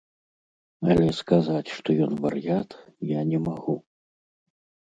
Але сказаць, што ён вар'ят, я не магу.